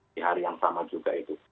di hari yang sama juga itu